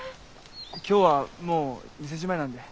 今日はもう店じまいなんで。